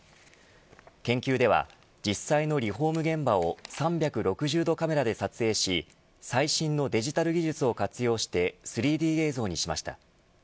研究では実際のリフォーム現場を３６０度カメラで撮影し最新のデジタル技術を活用して３Ｄ映像にしました。